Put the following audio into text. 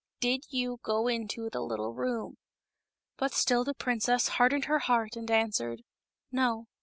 Did you go into the little room ?" But still the princess hardened her heart and answered " No."